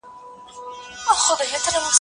كه ترې واړوي پوستونه